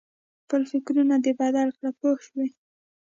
خپل فکرونه دې بدل کړه پوه شوې!.